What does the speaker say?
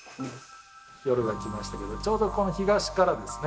夜がきましたけどちょうどこの東からですね